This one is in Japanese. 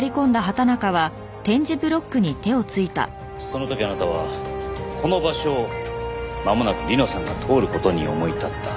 その時あなたはこの場所をまもなく理乃さんが通る事に思い立った。